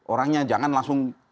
orangnya jangan langsung